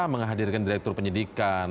menghadirkan direktur penyidikan